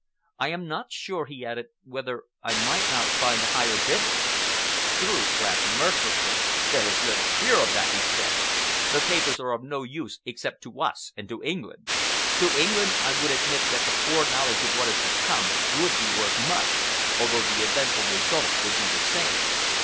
I am not sure," he added, "whether I might not find a higher bidder." Streuss laughed mirthlessly. "There is little fear of that," he said. "The papers are of no use except to us and to England. To England, I will admit that the foreknowledge of what is to come would be worth much, although the eventful result would be the same.